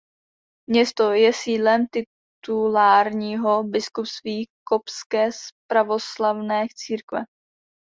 Město je sídlem titulárního biskupství Koptské pravoslavné církve.